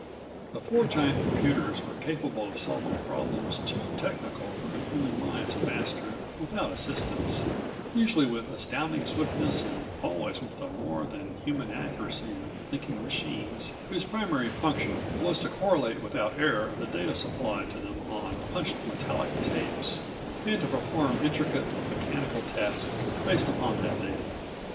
The four giant computers were capable of solving problems too technical for the human mind to master without assistance, usually with astounding swiftness and always with the more than human accuracy of thinking machines whose prime function was to correlate without error the data supplied to them on punched metallic tapes, and to perform intricate mechanical tasks based upon that data.